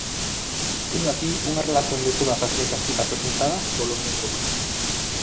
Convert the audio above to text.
Teño aquí unha relación de todas as iniciativas presentadas polo meu grupo.